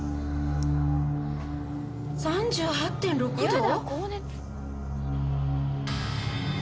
３８．６度？